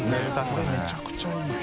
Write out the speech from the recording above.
海めちゃくちゃいいよ。